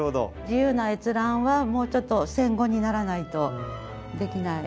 自由な閲覧はもうちょっと戦後にならないとできない。